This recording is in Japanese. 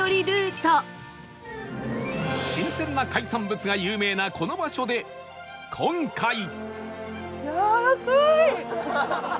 新鮮な海産物が有名なこの場所で今回